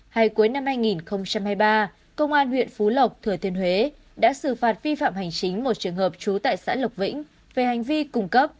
hay cuối năm hai nghìn hai mươi ba công an huyện phú lộc thừa thiên huế đã xử phạt vi phạm hành chính một trường hợp trú tại xã lộc vĩnh về hành vi cung cấp